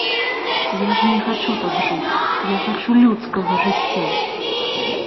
Я ж не хачу так жыць, я хачу людскага жыцця.